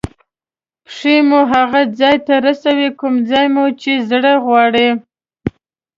پښې مو هغه ځای ته رسوي کوم ځای مو چې زړه غواړي.